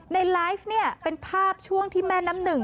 ในไลฟ์เนี่ยเป็นภาพช่วงที่แม่น้ำหนึ่ง